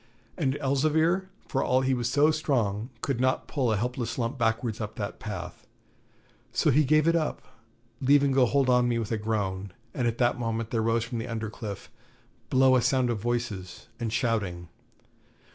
And Elzevir, for all he was so strong, could not pull a helpless lump backwards up that path. So he gave it up, leaving go hold on me with a groan, and at that moment there rose from the under cliff, below a sound of voices and shouting.